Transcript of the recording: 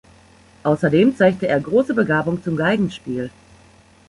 Außerdem zeigte er große Begabung zum Geigenspiel.